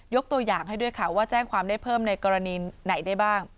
ตัวอย่างให้ด้วยค่ะว่าแจ้งความได้เพิ่มในกรณีไหนได้บ้าง